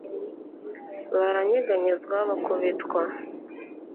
baranyeganyezwa bakubitwa